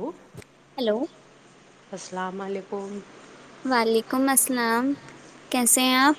وہ ہیلو السلام علیکم وعلیکم السلام کیسے ہیں آپ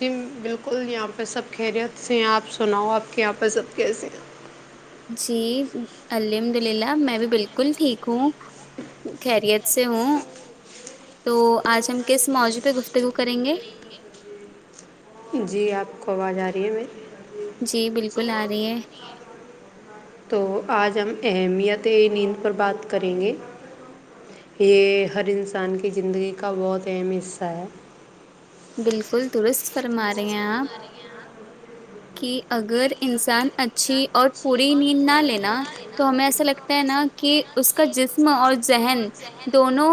جی بالکل یہاں پہ سب خیریت سے ہیں آپ سناؤ آپ کے یہاں پہ سب کیس ہیں جی الحمد للہ میں بھی بالکل ٹھیک ہوں خیریت سے ہوں تو آج ہم کس ماوضوع پہ گفتگو کریں گے جی آپ کو آواز آ رہی ہے میری جی آ بالکل رہی ہے نہیں تو آج ہم اہمیت نیند پر بات کریں گے یہ ہر انسان کی زندگی کا بہت اہم حصہ ہے بالکل درست فرما رہے ہیں آپ کی اگر انسان اچھی اور پوری نیند نہ لینا تو ہمیں ایسا لگتا ہے نا کہ اس کا جسم اور ذہن دونوں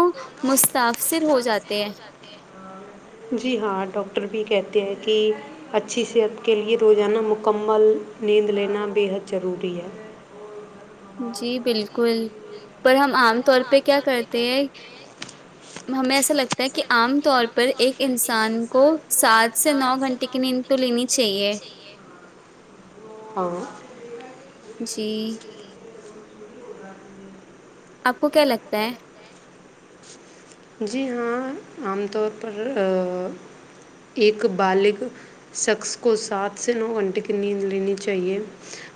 متاثر ہو جاتے ہیں جی ہاں ڈاکٹر بھی کہتے ہیں کہ اچھی صحت کے لیے روزانہ مکمل نیند لینا بے حد ضروری ہے جی بالکل پر ہم عام طور پہ کیا کرتے ہیں ہمیں ایسا لگتا ہے کہ عام طور پر ایک انسان کو سات سے نو گھنٹے کی نیند تو لینی چاہئے اور جی آپ کو کیا لگتا ہے جی ہاں عام طور پر ایک بالغ شخص کو سات سے نو گھنٹے کی نیند لینی چاہیے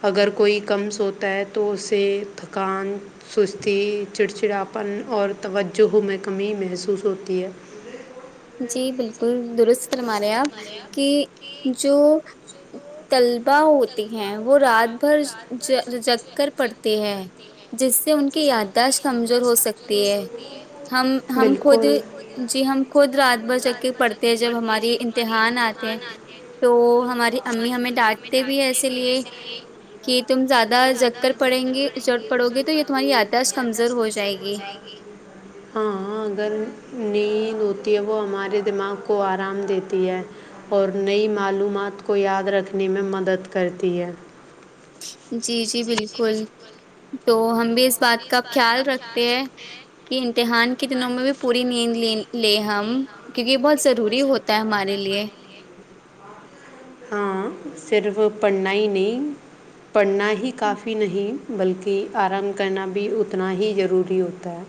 اگر کوئی کم سوتا ہے تو اسے تھکان سستی چڑچڑاپن اور توجہ میں کمی محسوس ہوتی ہے جی بالکل درست فرما رہے آپ کہ جو طلبا ہوتی ہیں وہ رات بھر جگ کر پڑتی ہے جس سے ان کی یادداشت کمزور ہو سکتی ہے ہم ہم خود بالکل جی ہم خود رات بھر جک کے پڑھتے ہیں جب ہماری امتحان آتے ہیں تو ہماری ہماری امی ہمیں ڈانٹتے بھی ہے ڈانگتے اسی ہیں لیے ایسے ہی کہ تم زیادہ جگ کر پڑهے گی پڑھوگی تو تمہاری یاد داشت کمزور ہو جائے گی ہاں ہاں اگر نیند ہوتی ہے وہ ہمارے دماغ کو آرام دیتی ہے اور نئی معلومات کو یاد رکھنے میں مدد کرتی ہے جی جی بالکل تو ہم بھی اس بات کاخیال رکھتے ہیں یہ امتحان کے دنوں میں بھی پوری نیند لیں ہم کیونکہ بہت بہت ضروری ہوتا ہے ہمارے لیے ہاں صرف پڑھنا ہی نہیں پڑھنا ہی کافی نہیں بلکہ آرام کرنا بھی اتنا ہی ضروری ہوتا ہے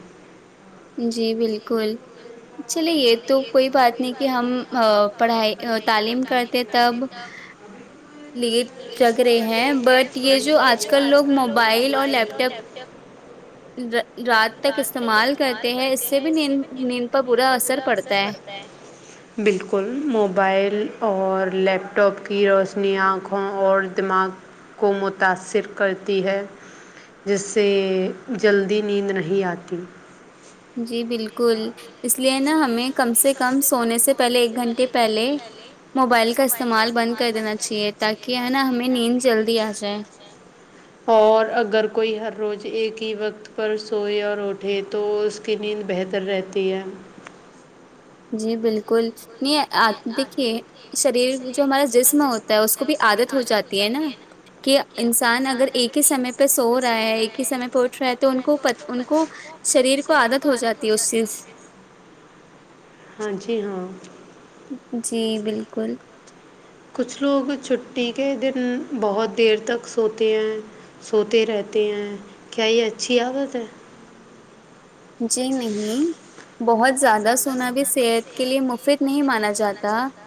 جی بالکل چلے یہ تو کوئی بات نہیں کہ ہم پڑھائی ا تعلیم کرتے تب لیٹ جگ رہے ہیں بٹ یہ جو آج کل لوگ موبائل اور لیپ ٹاپ ر رات تک استعمال کرتے ہیں اس سے بھی نیند نیند پر برا اثر پڑتا ہے بالکل موبائل اور لیپ ٹاپ کی روشنی آنکھوں اور دماغ کو متا ثر کرتی ہے جس سے جلدی نیند نہیں آتی جی بالکل اس لیے نا ہمیں کم سے کم سونے سے پہلے ایک گھنٹے پہلے موبائل کا استعمال بند کر دینا چاہیے تاکہ ہے نا ہمیں نیند جلدی آ جائے اور اگر کوئی ہر روز ایک ہی وقت پر سوئے اور اٹھے تو اس کی نیند بہتر رہتی ہے جی بالکل نہیں جی ا دیکھیے شریر جو جسم ہوتا ہے اس کو بھی عادت ہو جاتی ہےنا کہ انسان اگر ایک ہی سمے پہ سو رہا ہے ایک ہی سمے پہ اٹھ رہا ہے تو ان کو پتہ ان کو شریر کو عادت ہو جاتی ہے اس چیز ہاں جی ہاں جی بالکل کچھ لوگ چھٹی کے دن بہت دیر تک سوتے ہیں سوتے رہتے ہیں کیا یہ اچھی عادت ہے جی نہیں بہت زیادہ سونا بھی صحت کے لیے مفید نہیں مانا مانا جاتا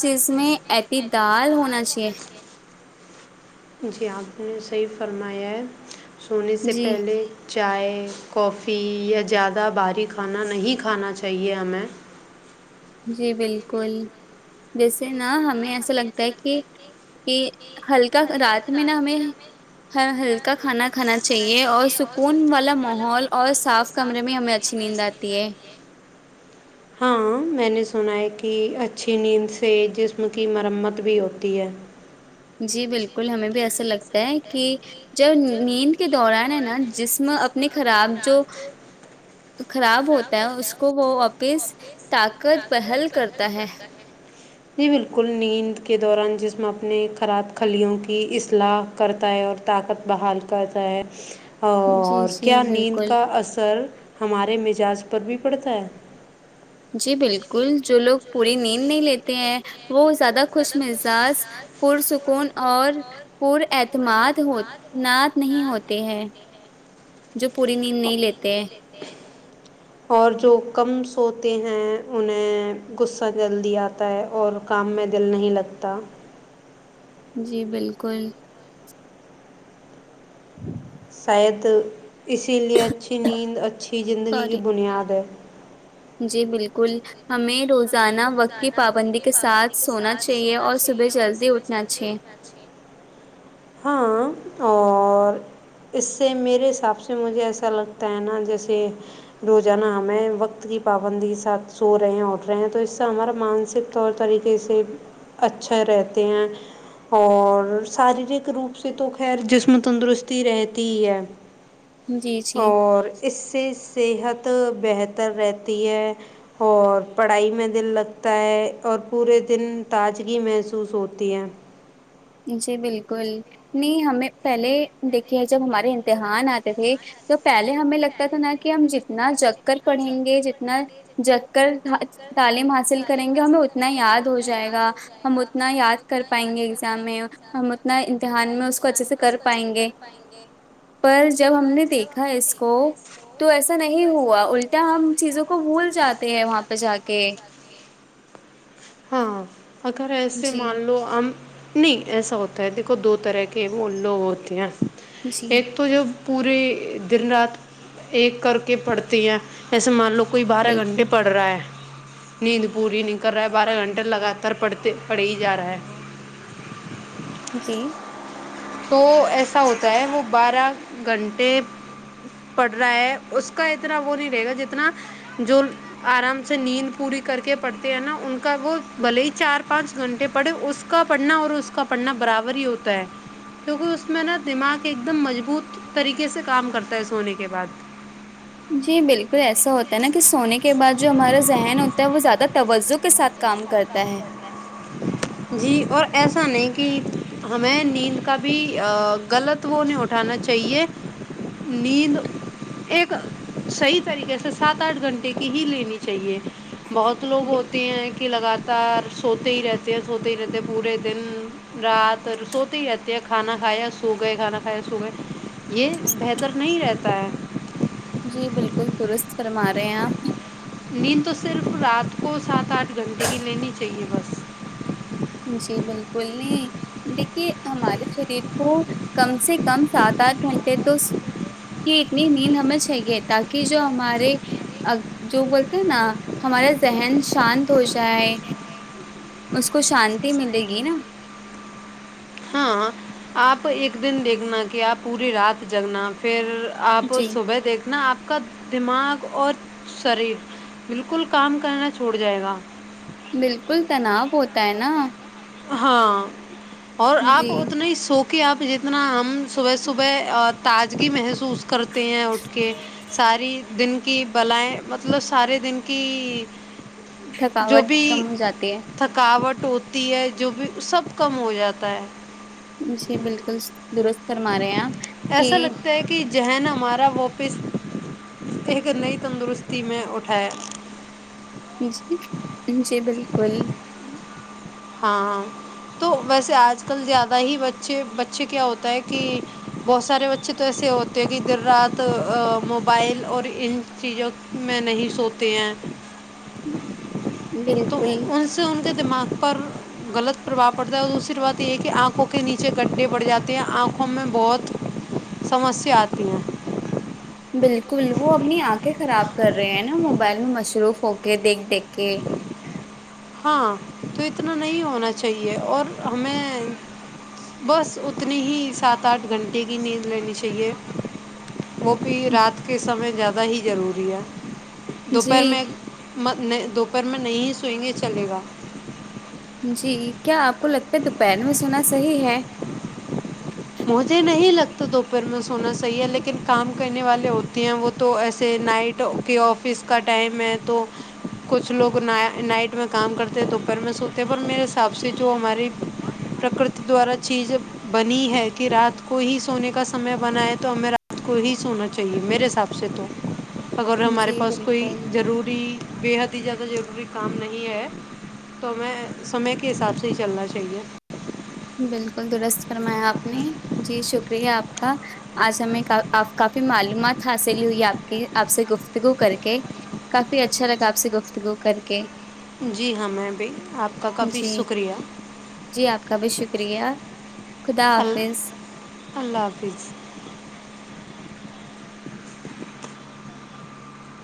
ہر چیز میں اعتدال ہوناچاہئے جی آپ نے صحیح فرمایا ہے سونے سے جی پہلے چائے کافی یا زیادہ بھاری کھانا نہیں کھانا چاہیے ہمیں جی بالکل جیسے نا ہمیں ایسا لگتا ہے کہ کہ ہلکا رات میں نہ ہمیں ہ ہلکا کھانا کھانا چاہیے اور سکون والا ماحول اور صاف کمرے میں ہمیں اچھی نیند آ تی ہے ہاں میں نے سنا ہے کہ اچھی نیند سے جسم کی مرمت بھی ہوتی ہے جی بالکل ہمیں بھی ایسا لگتا ہے کہ جب نیند کے دوران ہے نہ جسم اپنی خراب جو خراب ہوتا ہے اس کو وہ واپس طاقت بحل کرتا ہے جی بالکل نیند کے دوران جسم اپنے خراب خلیوں کی اصلاح کرتا ہے اور طاقت بحال کرتا ہے جی اور جی کیا نیند بالکل کا اثر ہمارے مزاج پر بھی پڑتا ہے جی بالکل جو لوگ پوری نیند نہیں لیتے ہیں وہ زیادہ خوش مزاج پرسکون اور پر اعتماد ناد نہیں ہوتے ہے جو پوری نیند نہیں لیتے اور جو کم سوتے ہیں انہیں غصہ جلدی آتا ہے اور کام میں دل نہیں لگتا جی بالکل شاید اسی لیے اچھی نیند اچھی زندگی کی سوری بنیاد ہے جی بالکل ہمیں روز جانا وقت کی پابندی کے ساتھ سونا چاہیے اور صبح جلدی اٹھنا چاہیے ہاں اور اس سے میرے حساب سے مجھے ایسا لگتا ہے نا جیسے روزانہ ہمیں وقت کی پابندی ساتھ سو رہے ہیں اٹھ رہے ہیں تو اس تو ہمارا مانسک طور طریقے سے اچھے رہتے ہیں اور شاریرک روپ سے تو خیر جسم تندرستی رہتی ہے جی جی اور اس سے صحت بہتر رہتی ہے اور پڑھائی میں دل لگتا ہے اور پورے دن تازگی محسوس ہوتی ہے جی بالکل نہیں ہمیں پہلے دیکھیے جب ہمارے امتحان آتے تھے تو پہلے ہمیں لگتا تھا نا کہ ہم جتنا جگ کر پڑھیں گے جتنا جگ کر تعلیم حاصل کریں گے ہمیں اتنا یاد ہو جائے گا ہم اتنا یاد کر پائیں گے ہم اتنا امتحان میں اس کو اچھے سے اس کر کو اچھے سے پائیں کر گے پائیں گے پر جب ہم نے دیکھا اس کو تو ایسا نہیں ہوا الٹا ہم چیزوں کو بھول جاتا تےہیں وہاں پہ جا کے ہاں اگر ایسے جی مان لو ہم نہیں ایسا ہوتا ہے دیکھو دو طرح کے وہ لوگ ہوتے ہیں جی ایک تو جب پورے دن رات ایک کر کے پڑھتی ہیں ایسے مان لو کوئی بارہ گھنٹے بالکل پڑ رہا ہے نیند پوری نہیں کر رہا ہے بارہ گھنٹے لگاتار پڑھتے پڑھے ہی جا رہا ہے جی تو ایسا ہوتا ہے وہ بارہ گھنٹے پڑھ رہا ہے اس کا اتنا وہ نہیں رہے گا جتنا جو آرام سے نیند پوری کر کے پڑتے ہیں نا ان کا وہ بھلے ہی چار پانچ گھنٹے پڑے اس اس کا پڑھنا اور اس کا پڑھنا برابر ہی ہوتا ہے کیونکہ اس میں نا دماغ ایک دم مضبوط طریقے سے کام کرتا ہے سونے کے بعد جی بالکل ایسا ہوتا ہے نا کہ سونے کے بعد جو ہمارا ذہن ہوتا ہے وہ زیادہ توجہ کے ساتھ کام کرتا ہے جی اور ایسا نہیں کہ ہمیں نیند کا بھی غلط وہ نہیں اٹھانا چاہیے نیند ایک صحیح طریقے سے سات آٹھ گھنٹے کی ہی لینی چاہیے بہت لوگ ب- ہوتے ہیں کہ لگاتار سوتے ہی رہتے ہیں سوتے ہی رہتے ہیں پورے دن رات سوتے رہتے ہیں کھانا کایا سو گئے کھانا کایا سو گئے یہ بہتر نہیں رہتا ہے جی بالکل درست فرما رہے ہیں آپ نیند تو صرف رات کو سات آٹھ گھنٹے کی لینی چاہیے بس جی بالکل نہیں دیکھیے ہمارے شریر کو کم سے کم سات آٹھ گھنٹے تو کہ اتنی نیند ہمیں چاہیے تاکہ جو ہمارے ا جو بولتے ہیں نا ہمارا ذہن شانت ہو جائے اس کو شانتی ملے گی نا ہاں آپ ایک دن دیکھنا کہ آپ پوری رات جگنا پھر آپ جی صبح دیکھ نا آپ کا دماغ اور شریر بالکل کام کرنا چھوڑ جائے گا بالکل تناؤ ہوتا ہے نا ہاں اور آپ جی اتنا ہی سوک کہ آپ جتنا ہم صبح صبح تازگی ا محسوس کرتے ہیں اٹھ کے ساری دن کی بلائیں مطلب سارے دن کی جو تھکاوٹ کم بھی ہو جاتی ہے تھکاوٹ ہوتی ہے جو بھی سب کم ہو جاتا ہے جی بالکل درست فرما رہے ہیں اپ کہ ایسا لگتا ہے کہ ذہن ہمارا واپس ایک نئی تندرستی میں اٹھایا جی جی بالکل ہاں تو ویسے آج کل زیادہ ہی بچے بچے کیا ہوتا ہے کہ بہت سارے بچے تو ایسے ہوتے ہیں کہ دیر رات موبائل اور ان چیزوں میں نہیں سوتے ہیں تو بالکل ان سے ان کے دماغ پر غلط پربھؤ پڑتا ہے اور دوسری بات یہ ہے کہ آنکھوں کے نیچے گڈھے بڑھ جاتے ہیں آنکھوں میں بہت سمسیا آتی ہیں بالکل وہ اپنی آنکھیں خراب کر رہے ہیں نا موبائل میں مصروف ہو کے دیکھ دیکھ کے ہاں تو اتنا نہیں ہونا چاہیے اور ہمیں بس اتنی ہی سات آٹھ گھنٹے کی نیند لین چاہیے وہ بھی رات کے سمے زیادہ ہی ضروری ہے دوپہر جی میں دوپہر میں نہیں سوئیں گے چلے گا جی کیا آپ کو لگتا ہے دوپہر میں سونا صحیح ہے مجھے نہیں لگتا دوپہر میں سونا صحیح ہے لیکن کام کرنے والے ہوتے ہیں وہ تو ایسے نائٹ کے آفس کا ٹائم ہے تو کچھ لوگ نائٹ میں کام کرتے ہیں توپہر میں سوتے ہیں پر میرے حساب سے جو ہماری پرکرتی دوارا چیزیں بنی ہے کہ رات کو ہی سونے کا سمے بنا ہے تو ہمیں رات کو ہی سونا چاہیے میرے حساب سے تو اگر ہمارے جی پاس کوئی بالکل ضروری بےحد ا زیادہ ضروری کام نہیں ہے تو ہمیں سمے کے حساب سے ہی چلنا چاہیے بالکل درست فرمایا آپ نے جی شکریہ آپ کا آج ہمیں آپ کافی معلومات حاصل ہوئی آپ کی آپ سے گفتگو کر کے کافی اچھا لگا آپسی گفتگو کر کے جی ہاں میں بھی آپ کا کافی جی شکریہ جی آپ کا بھی شکریہ خدا ال حافظ اللہ حافظ